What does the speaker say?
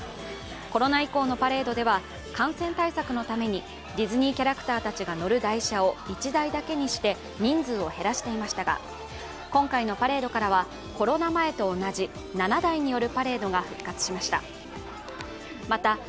コロナ以降のパレードでは感染対策のためにディズニーキャラクターたちが乗る台車を１台だけにして人数を減らしていましたが今回のパレードからはコロナ前と同じ７台によるパレードが復活しました。